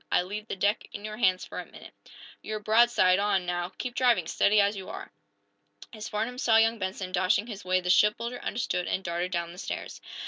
"I leave the deck in your hands for a minute. You're broadside on, now. Keep driving, steady, as you are!" As Farnum saw young Benson dashing his way the shipbuilder understood and darted down the stairs.